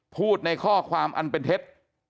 พูดในข้อความอันเป็นเท็จ